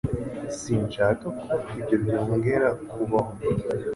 Sinshaka ko ibyo byongera kubaho.